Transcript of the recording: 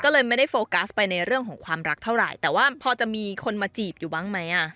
ก็เลยไม่ได้โฟกัสไปในเรื่องของความรักเท่าไหร่แต่ว่าพอจะมีคนมาจีบอยู่บ้างไหมอ่ะ